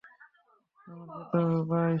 আমার যেতে হবে, বাই।